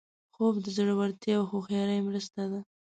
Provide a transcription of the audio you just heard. خوب د زړورتیا او هوښیارۍ مرسته ده